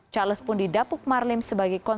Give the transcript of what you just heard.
charles pun didapuk marlim sebagai